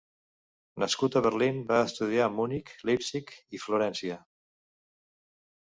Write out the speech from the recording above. Nascut a Berlín va estudiar a Munic, Leipzig i Florència.